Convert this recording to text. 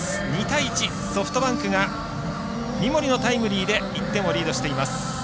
２対１、ソフトバンクが三森のタイムリーで１点をリードしています。